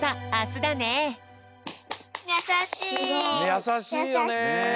やさしいよね。